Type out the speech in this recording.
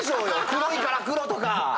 黒いからクロとか。